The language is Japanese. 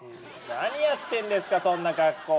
何やってんですかそんな格好で。